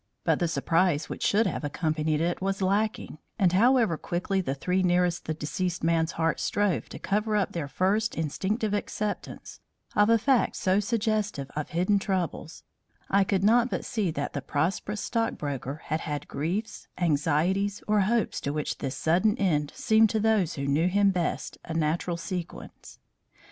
But the surprise which should have accompanied it was lacking, and however quickly the three nearest the deceased man's heart strove to cover up their first instinctive acceptance of a fact so suggestive of hidden troubles, I could not but see that the prosperous stockbroker had had griefs, anxieties, or hopes to which this sudden end seemed to those who knew him best, a natural sequence.